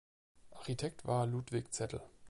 Architekt war Ludwig Zettl.